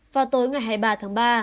vào tối ngày hai mươi ba tháng ba